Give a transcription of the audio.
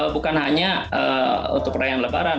bukan hanya untuk perayaan lebaran